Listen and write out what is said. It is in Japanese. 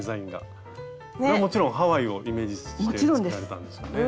これはもちろんハワイをイメージして作られたんですよね？